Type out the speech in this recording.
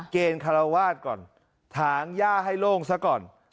เกณฑ์คาราวาสก่อนถางย่าให้โล่งซะก่อน